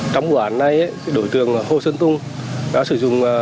trong quản này đổi tường hồ sơn tùng đã sử dụng